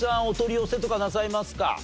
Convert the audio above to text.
お取り寄せとかなさいますか？